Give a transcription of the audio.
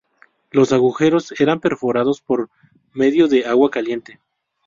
Los agujeros eran perforados por medio de agua caliente.